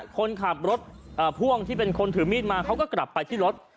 คนขับรถพ่วงที่เป็นคนถือมีดมาเขาก็กลับไปที่รถ